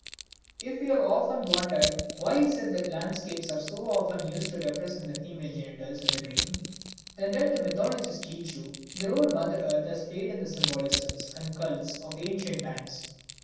If you have often wondered why it is that landscapes are so often used to represent the female genitals in the dream, then let the mythologist teach you the role Mother Earth has played in the symbolisms and cults of ancient times.